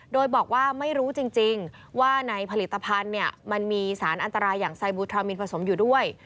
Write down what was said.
โดยบอกว่าไม่รู้จริงว่าในผลิตภัณฑ์มันมีสารอันตรายอย่างไซบูทรามินผสมอยู่ด้วย